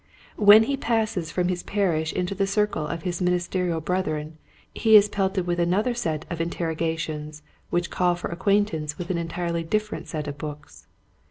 When he passes from his parish into the circle of his min isterial brethren he is pelted with another set of interrogations which call for ac quaintance with an entirely different set of books.